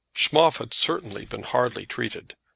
Schmoff had certainly been hardly treated.